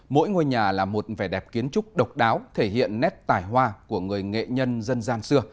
mỗi ngôi nhà là một vẻ đẹp kiến trúc độc đáo thể hiện nét tài hoa của người nghệ nhân dân gian xưa